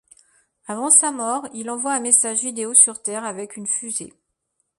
Avant sa mort, il envoie un message vidéo sur Terre avec une fusée.